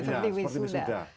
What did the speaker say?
ya seperti wisuda